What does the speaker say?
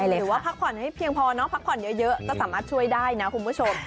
หรือว่าพักผ่อนให้เยอะแต่สามารถช่วยได้นะคุณผู้ชม